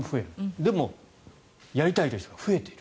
でも、やりたいという人が増えている。